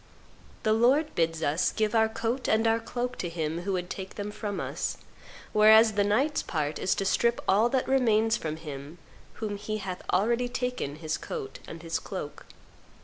The Lord bids us give our coat and our cloak to him who would take them from us; whereas the knight's part is to strip all that remains from him from whom he hath already taken his coat and his cloak.